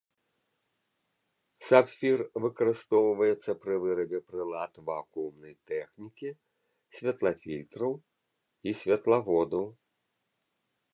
Сапфір выкарыстоўваецца пры вырабе прылад вакуумнай тэхнікі, святлафільтраў і святлаводаў.